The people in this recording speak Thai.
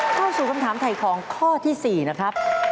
เข้าสู่คำถามถ่ายของข้อที่๔นะครับ